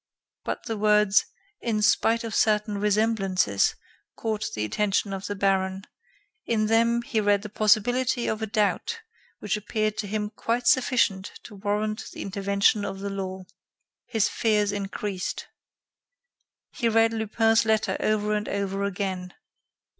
But the words "in spite of certain resemblances" caught the attention of the baron; in them, he read the possibility of a doubt which appeared to him quite sufficient to warrant the intervention of the law. His fears increased. He read Lupin's letter over and over again.